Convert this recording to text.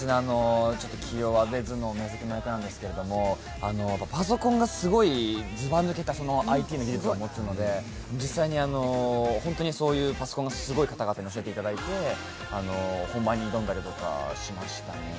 気弱で頭脳明晰な役なんですけど、パソコンがすごいずば抜けたＩＴの技術をモツので、実際にパソコンがすごい方に来ていただいて本番に挑んだりとかしましたね。